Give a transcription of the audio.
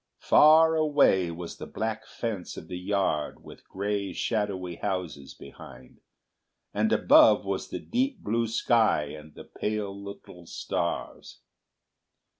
Far away was the black fence of the yard with grey shadowy houses behind, and above was the deep blue sky and the pale little stars.